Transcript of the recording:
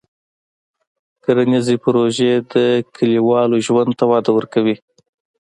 کرنيزې پروژې د کلیوالو ژوند ته وده ورکوي.